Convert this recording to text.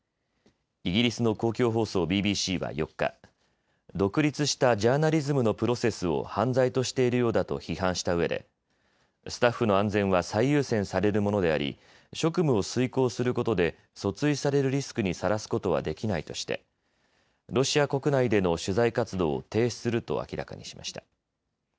イギリスの公共放送、ＢＢＣは４日、独立したジャーナリズムのプロセスを犯罪としているようだと批判したうえでスタッフの安全は最優先されるものであり職務を遂行することで訴追されるリスクにさらすことはできないとしてロシア国内での取材活動を停止すると明らかにしました。